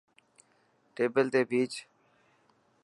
ٽيبل تي ڀيچ.